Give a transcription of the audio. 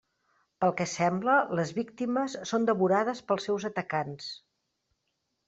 Pel que sembla, les víctimes són devorades pels seus atacants.